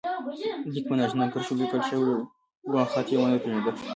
لیک په نا آشنا کرښو لیکل شوی و او خط یې و نه پېژانده.